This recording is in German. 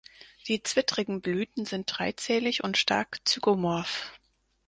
Die zwittrigen Blüten sind dreizählig und stark zygomorph.